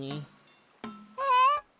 えっ。